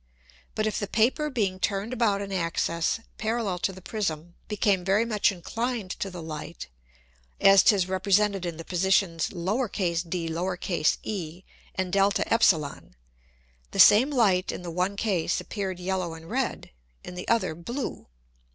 But if the Paper being turned about an Axis parallel to the Prism, became very much inclined to the Light, as 'tis represented in the Positions de and [Greek: de]; the same Light in the one case appeared yellow and red, in the other blue.